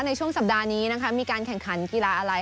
ในช่วงสัปดาห์นี้นะคะมีการแข่งขันกีฬาอะไร